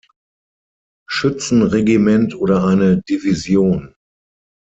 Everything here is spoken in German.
Schützen-Regiment oder eine -Division.